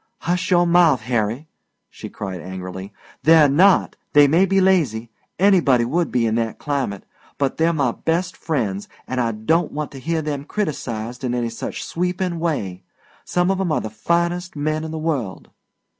"Hush your mouth, Harry!" she cried angrily. "They're not! They may be lazy anybody would be in that climate but they're my best friends, an' I don't want to hear 'em criticised in any such sweepin' way. Some of 'em are the finest men in the world."